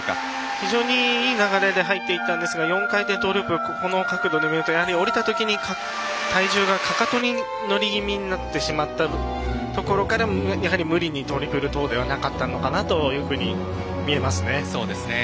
非常にいい流れで入っていったんですが４回転トーループここの角度見ると降りるときに体重がかかとに乗り気味になってしまったところからやはり無理にトリプルトーではなかったのかなと見えますね。